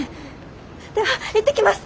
では行ってきます！